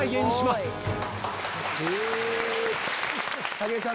武井さん